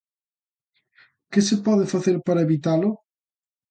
Que se pode facer para evitalo?